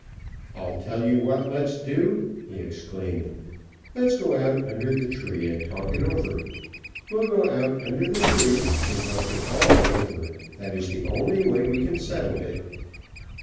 "I'll tell you what let's do!" he exclaimed. "Let's go out under the tree and talk it over. We'll go out under the tree and talk it all over. That is the only way we can settle it."